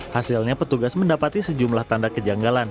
hasilnya petugas mendapati sejumlah tanda kejanggalan